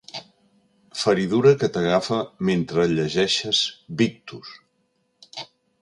Feridura que t'agafa mentre llegeixes Victus.